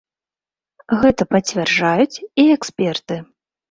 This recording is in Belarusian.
Гэта пацвярджаюць і эксперты.